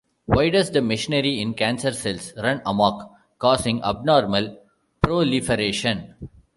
Why does the machinery in cancer cells run amok, causing abnormal proliferation?